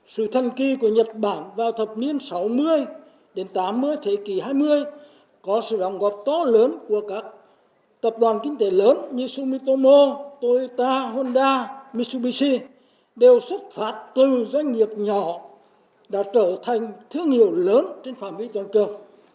sự thân kỳ của nhật bản vào thập niên sáu mươi tám mươi thế kỷ hai mươi có sự đồng góp to lớn của các tập đoàn kinh tế lớn như sumitomo toyota honda mitsubishi đều xuất phạt từ doanh nghiệp nhỏ đã trở thành thương hiệu lớn trên phạm vi toàn cường